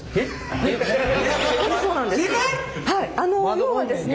要はですね。